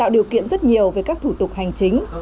rất nhiều về các thủ tục hành chính